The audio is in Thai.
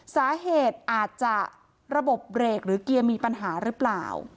สาเหตุอาจจะระบบเบรกหรือเกียร์มีปัญหาหรือเปล่า